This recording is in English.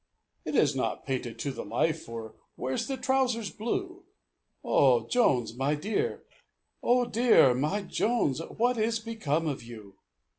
"It is not painted to the life, For where's the trowsers blue? Oh Jones, my dear! Oh dear! my Jones, What is become of you?"